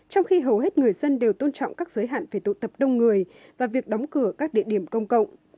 trong khi hầu hết người dân đều tôn trọng các giới hạn về tụ tập đông người và việc đóng cửa các địa điểm công cộng